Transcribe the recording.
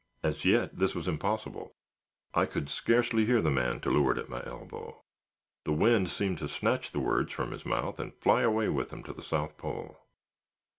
As yet this was impossible; I could scarcely hear the man to leeward at my elbow; the wind seemed to snatch the words from his mouth and fly away with them to the South Pole.